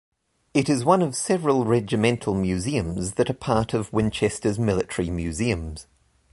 It is one of several regimental museums that are part of Winchester's Military Museums.